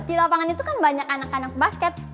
di lapangan itu kan banyak anak anak basket